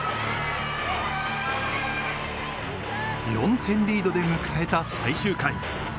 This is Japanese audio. ４点リードで迎えた最終回。